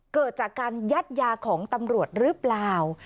เกิดจากการยัดยาของตำรวจหรือเปล่า